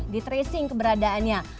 di tracing keberadaannya